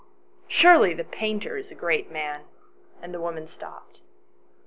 Surely the painter is a great man S" and the woman stopped.